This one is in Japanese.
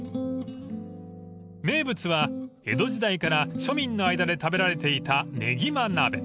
［名物は江戸時代から庶民の間で食べられていたねぎま鍋］